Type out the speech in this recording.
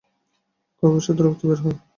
কফের সাথে রক্ত বের হয়।